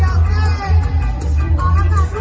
มันเป็นเมื่อไหร่แล้ว